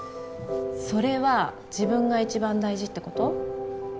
それは自分が一番大事ってこと？